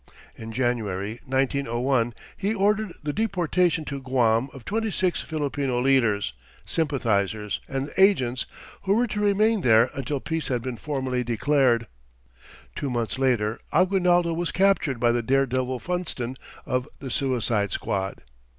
In January, 1901, he ordered the deportation to Guam of twenty six Filipino leaders, sympathizers, and agents, who were to remain there until peace had been formally declared. Two months later, Aguinaldo was captured by the dare devil Funston of "the Suicide Squad."